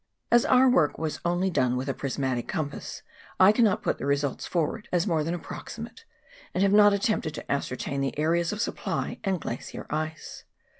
As our work was only done with a prismatic compass, I cannot put the results forward as more than approximate, and have not attempted to ascertain the areas of supply and glacier ice.